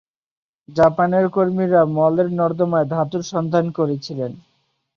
জাপানের কর্মীরা মলের নর্দমায় ধাতুর সন্ধান করেছিলেন।